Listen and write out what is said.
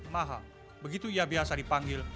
maha begitu ia biasa dipanggil